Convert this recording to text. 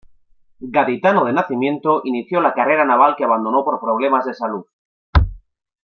Gaditano de nacimiento, inició la carrera naval que abandonó por problemas de salud.